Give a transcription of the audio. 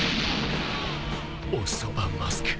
おそばマスク。